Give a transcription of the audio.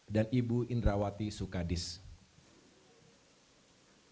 dan ibu indrawati sukadee